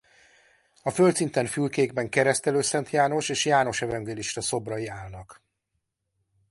A földszinten fülkékben Keresztelő Szent János és János evangélista szobrai állnak.